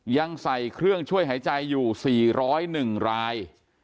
ยังใส่เครื่องช่วยหายใจอยู่๔๐๑ราย